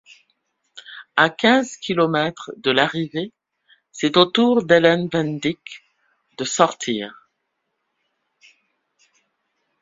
À quinze kilomètres de l'arrivée, c'est au tour d'Ellen van Dijk de sortir.